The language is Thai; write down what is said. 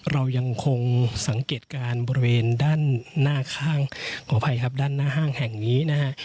เรายังคงสังเกตการณ์บริเวณด้านหน้าข้างขออภัยครับด้านหน้าห้างแห่งนี้นะฮะ